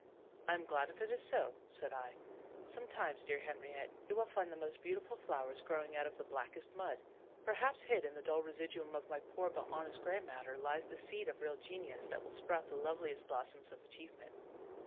"I am glad if it is so," said I. "Sometimes, dear Henriette, you will find the most beautiful flowers growing out of the blackest mud. Perhaps hid in the dull residuum of my poor but honest gray matter lies the seed of real genius that will sprout the loveliest blossoms of achievement."